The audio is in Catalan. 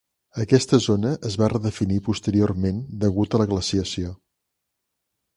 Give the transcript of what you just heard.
Aquesta zona es va redefinir posteriorment degut a la glaciació.